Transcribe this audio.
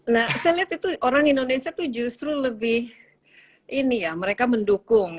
nah saya lihat itu orang indonesia itu justru lebih ini ya mereka mendukung